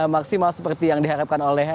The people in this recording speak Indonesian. maksimal seperti yang diharapkan oleh